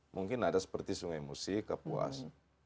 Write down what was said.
mungkin ada seperti sungai musi kapuas